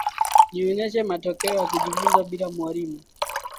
Nionyeshe matokeo ya kujifunza bila mwalimu